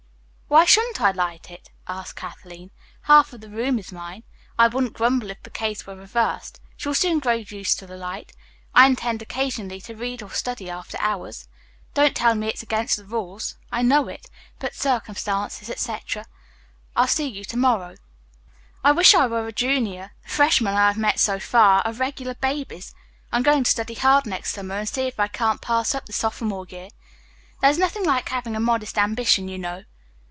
"Why shouldn't I light it?" asked Kathleen. "Half of the room is mine. I wouldn't grumble if the case were reversed. She will soon grow used to the light. I intend occasionally to read or study after hours. Don't tell me it is against the rules. I know it. But circumstances, etc. I'll see you to morrow. I wish I were a junior. The freshmen I have met so far are regular babies. I'm going to study hard next summer and see if I can't pass up the sophomore year. There is nothing like having a modest ambition, you know."